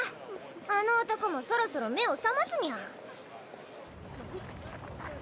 あの男もそろそろ目を覚ますニャ。